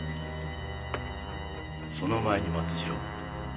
その前に松次郎。